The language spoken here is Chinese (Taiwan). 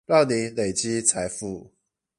讓你累積財富